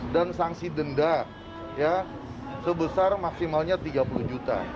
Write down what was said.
dan sanksi denda sebesar maksimalnya tiga puluh juta